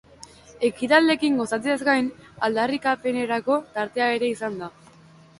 Ekitaldiekin gozatzeaz gain, aldarrikapenerako tartea ere izan da.